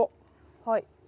はい。